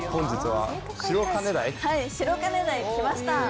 はい白金台に来ました！